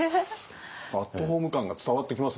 アットホーム感が伝わってきます